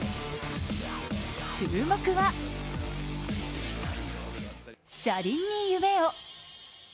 注目は「車輪に夢を」。